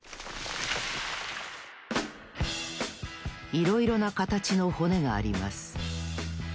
いろいろなかたちの骨があります。